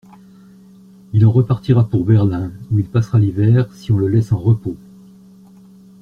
Il en repartira pour Berlin, où il passera l'hiver, si on le laisse en repos.